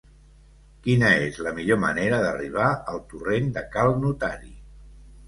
Quina és la millor manera d'arribar al torrent de Cal Notari?